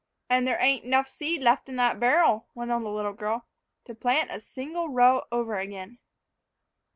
"And there ain't 'nough seed left in that barrel," went on the little girl, "to plant a single row over again."